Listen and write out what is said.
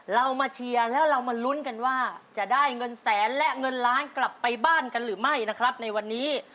เรามาเชียร์แล้วเรามาลุ้นกันว่าจะได้เงินแสนและเงินล้านกลับไปบ้านกันหรือไม่นะครับในวันนี้